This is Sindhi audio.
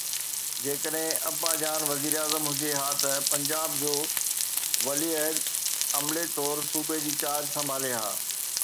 جيڪڏهن ابا جان وزير اعظم هجي ها ته پنجاب جو ولي عهد عملي طور صوبي جي چارج سنڀالي ها.